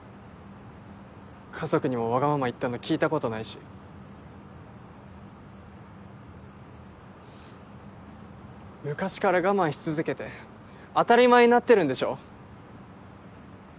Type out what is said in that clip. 家族にもわがまま言ったの聞いたことないし昔から我慢し続けて当たり前になってるんでしょ？